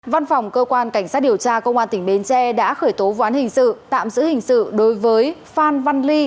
văn phòng cơ quan cảnh sát điều tra công an tỉnh bến tre đã khởi tố vụ án hình sự tạm giữ hình sự đối với phan văn ly